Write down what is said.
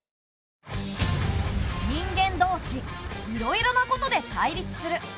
人間どうしいろいろなことで対立する。